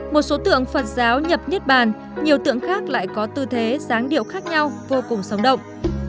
một số tượng phật giáo nhập nhất bàn nhiều tượng khác lại có tư thế giáng điệu khác nhau vô cùng sống động